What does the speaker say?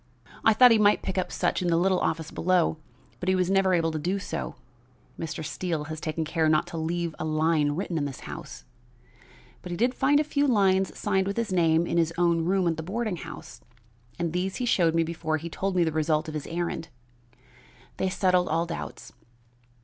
I thought he might pick up such in the little office below, but he was never able to do so Mr. Steele has taken care not to leave a line written in this house but he did find a few lines signed with his name in his own room at the boarding house, and these he showed me before he told me the result of his errand. They settled all doubts.